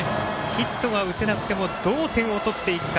ヒットは打てなくてもどう点を取っていくか。